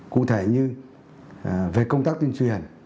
cụ thể như về công tác tuyên truyền